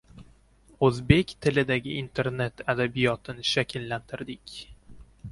O’zbek tilidagi Internet adabiyotini shakllantirdik.